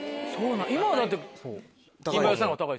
今はだって若井さんの方が高い。